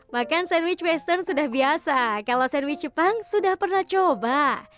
makan sandwich western sudah biasa kalau sandwich jepang sudah pernah coba